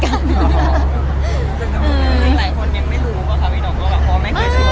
หลายคนยังไม่รู้ว่าคาวิดองก็แบบ